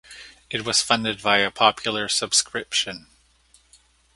It was funded via popular subscription.